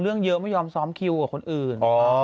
เรื่องเยอะไม่ยอมซ้อมคิวกับคนอื่น